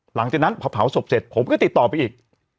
หลังจากนั้นพอเผาศพเสร็จผมก็ติดต่อไปอีก